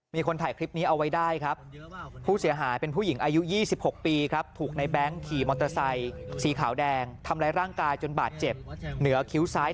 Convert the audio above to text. มีคนถ่ายคลิปนี้เอาไว้ได้ครับผู้เสียหายเป็นผู้หญิงอายุ๒๖ปีครับถูกในแบงค์ขี่มอเตอร์ไซค์สีขาวแดงทำร้ายร่างกายจนบาดเจ็บเหนือคิ้วซ้าย